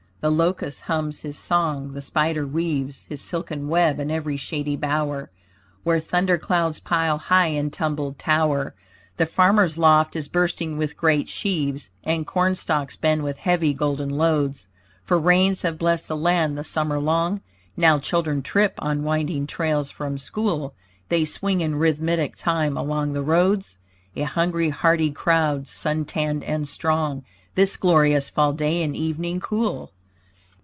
The locust hums his song, the spider weaves His silken web in every shady bower, Where thunder clouds pile high in tumbled tower; The farmer's loft is bursting with great sheaves; And cornstalks bend with heavy golden loads, For rains have blessed the land the summer long. Now children trip on winding trails from school; They swing in rhythmic time along the roads; A hungry, hearty crowd, suntanned and strong. This glorious fall day in evening cool.